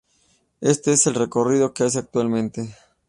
Este es el recorrido que hace actualmente.